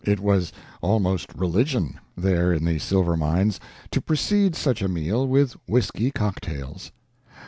It was almost religion, there in the silver mines, to precede such a meal with whisky cocktails.